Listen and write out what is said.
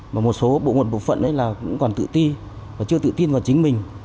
một số bộ nguồn bộ phận cũng còn tự ti và chưa tự tin vào chính mình